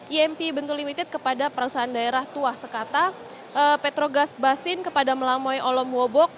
imp bentuk limited kepada perusahaan daerah tua sekata petrogas basin kepada melamoy olom wobok